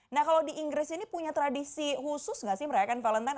nah kalau di inggris ini punya tradisi khusus nggak sih merayakan valentine